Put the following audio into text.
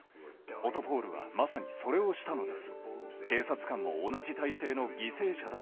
オトポール！はまさにそれをしたのです。